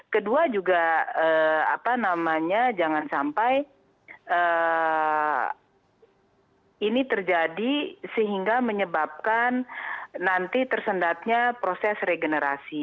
kedua juga apa namanya jangan sampai ini terjadi sehingga menyebabkan nanti tersendatnya proses regenerasi